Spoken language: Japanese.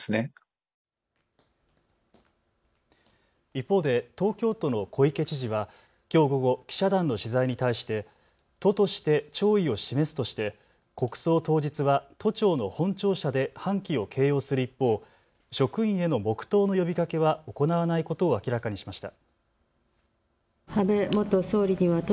一方で東京都の小池知事はきょう午後、記者団の取材に対して、都として弔意を示すとして国葬当日は都庁の本庁舎で半旗を掲揚する一方、職員への黙とうの呼びかけは行わないことを明らかにしました。